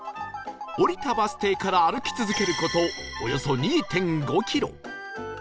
降りたバス停から歩き続ける事およそ ２．５ キロ